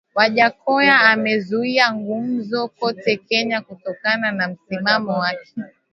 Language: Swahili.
Wajackoya amezua gumzo kote Kenya kutokana na msimamo wake